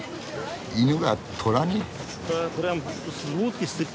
犬がトラに？